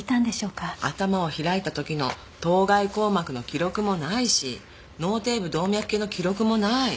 頭を開いた時の頭蓋硬膜の記録もないし脳底部動脈系の記録もない。